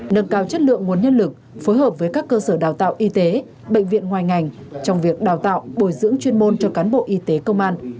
nâng cao chất lượng nguồn nhân lực phối hợp với các cơ sở đào tạo y tế bệnh viện ngoài ngành trong việc đào tạo bồi dưỡng chuyên môn cho cán bộ y tế công an